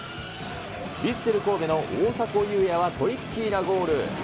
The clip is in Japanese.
ヴィッセル神戸の大迫勇也はトリッキーなゴール。